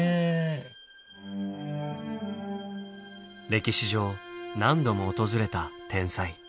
歴史上何度も訪れた天災。